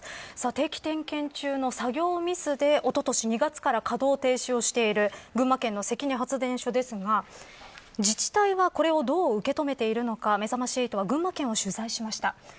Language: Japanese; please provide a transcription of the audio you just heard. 定期点検中の作業ミスでおととし２月から稼働停止している群馬県の発電所ですが自治体はこれをどう受け止めているのかめざまし８は群馬県を取材しました。